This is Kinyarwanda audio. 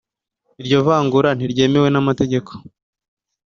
iryo vangura ntiryemewe n’amategeko.